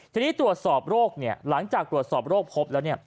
ทีนี้ตรวจสอบโรคหลังจากตรวจสอบโรคพบแล้ว